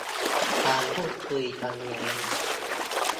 การพูดคุยครั้งนี้